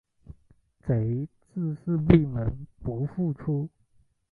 贼自是闭门不复出。